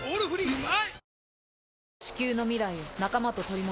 うまい！